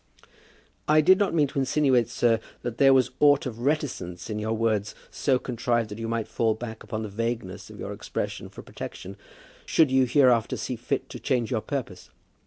"I did not mean to insinuate, sir, that there was aught of reticence in your words, so contrived that you might fall back upon the vagueness of your expression for protection, should you hereafter see fit to change your purpose.